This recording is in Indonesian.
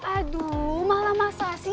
aduh malah masa sih